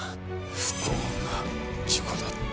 「不幸な事故だった」